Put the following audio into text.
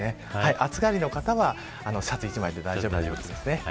暑がりの方はシャツ一枚で大丈夫です。